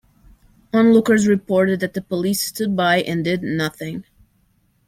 Onlookers reported that the police stood by and did nothing.